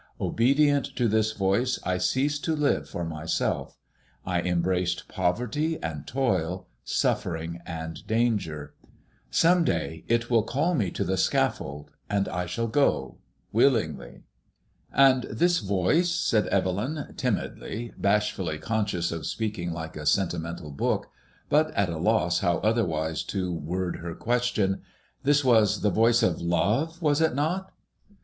Obedient to this voice, I ceased to live for myself. I embraced poverty and toil, suffering and danger. Some r 138 MADBMOISKLLI DUL day it will call me to the scafiFold, and I shall go — willingly.'' And this voice," said Evelyn, timidly, bashfully conscious of speaking like a sentimental book, but at a loss how otherwise to word her question — ''this was the voice of love, was it not